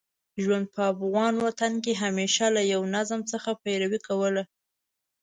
ژوند په افغان وطن کې همېشه له یوه نظم څخه پیروي کوله.